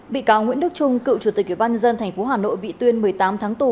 bị cáo nguyễn đức trung cựu chủ tịch ủy ban nhân dân tp hà nội bị tuyên một mươi tám tháng tù